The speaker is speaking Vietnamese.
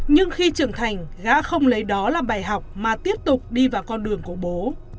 nhưng khi trưởng thành gã không lấy đó làm bài học mà tiếp tục đi vào con đường của bố